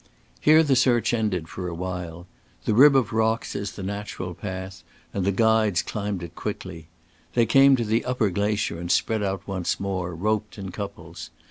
Here the search ended for a while. The rib of rocks is the natural path, and the guides climbed it quickly. They came to the upper glacier and spread out once more, roped in couples.